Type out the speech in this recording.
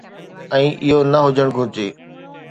۽ اهو نه هجڻ گهرجي.